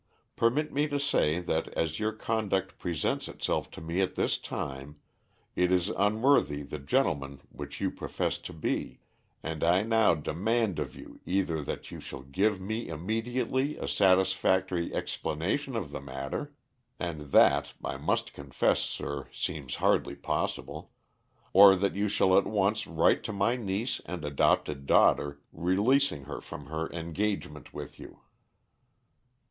Permit me to say that as your conduct presents itself to me at this time, it is unworthy the gentleman which you profess to be, and I now demand of you either that you shall give me immediately a satisfactory explanation of the matter and that, I must confess, sir, seems hardly possible or that you shall at once write to my niece and adopted daughter, releasing her from her engagement with you."